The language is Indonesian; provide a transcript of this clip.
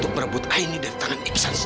cari pergi dari understanding entertainment